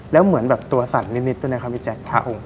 แล้วเหมือนแบบตัวสั่นนิดด้วยนะครับพี่แจ๊ค